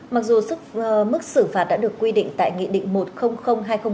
mặc dù sức mức xử phạt đã được quy định tại nghị định một triệu hai nghìn một mươi chín